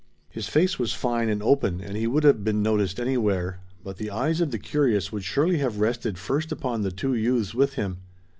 His face was fine and open and he would have been noticed anywhere. But the eyes of the curious would surely have rested first upon the two youths with him.